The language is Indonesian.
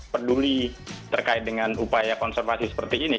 peduli terkait dengan upaya konservasi seperti ini